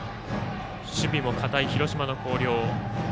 守備も堅い広島の広陵。